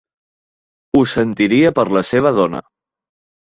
Ho sentiria per la seva dona.